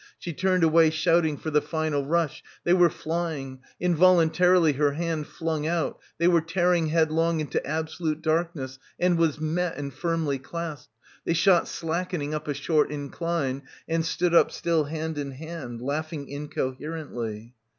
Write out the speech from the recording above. She turned away, shouting, for the final rush, they were flying — involuntarily her hand flung out, they were tearing headlong into absolute darkness, and was met and firmly clasped. They shot slackening up a short incline and stood up still hand in hand, laughing incoherently.